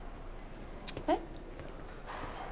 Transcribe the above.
えっ？